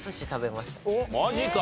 マジか！